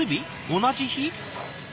同じ日？